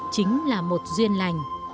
chính là một duyên lành